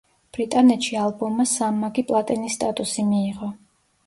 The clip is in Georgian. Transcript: ბრიტანეთში ალბომმა სამმაგი პლატინის სტატუსი მიიღო.